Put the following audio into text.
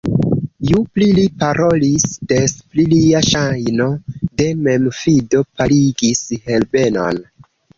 Ju pli li parolis, des pli lia ŝajno de memfido paligis Herbenon.